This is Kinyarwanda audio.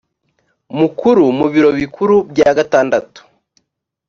mukuru mu biro bikuru bya gatandatu